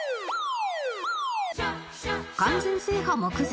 完全制覇目前